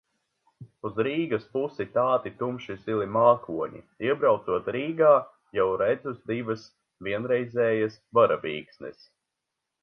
Uz Rīgas pusi tādi tumši zili mākoņi. Iebraucot Rīgā, jau redzu divas vienreizējas varavīksnes.